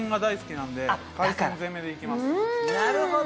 なるほど。